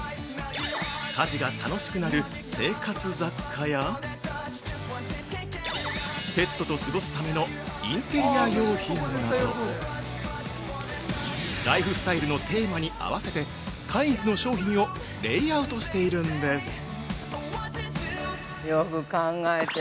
家事が楽しくなる生活雑貨やペットと過ごすためのインテリア用品など、ライフスタイルのテーマに合わせてカインズの商品をレイアウトしているんです。